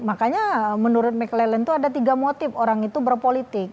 makanya menurut mclen itu ada tiga motif orang itu berpolitik